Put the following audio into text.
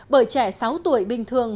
bởi trẻ sáu tuổi bình thường